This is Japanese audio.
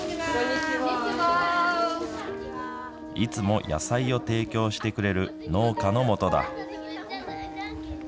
いつも野菜を提供してくれる農家のもとだ。